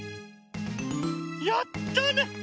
やったね。